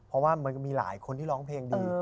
เพราะว่ามันก็มีหลายคนที่ร้องเพลงดี